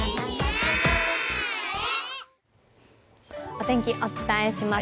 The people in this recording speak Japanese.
お天気、お伝えします。